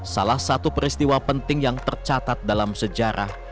salah satu peristiwa penting yang tercatat dalam sejarah